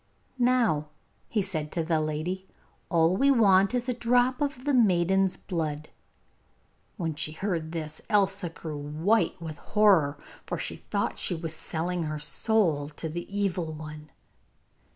'Now,' he said to the lady, 'all we want is a drop of the maiden's blood.' When she heard this Elsa grew white with horror, for she thought she was selling her soul to the evil one.